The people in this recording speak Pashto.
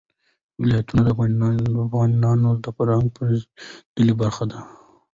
ولایتونه د افغانانو د فرهنګي پیژندنې برخه ده.